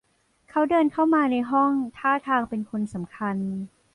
เขาเดินเข้ามาในห้องท่าทางเป็นคนสำคัญ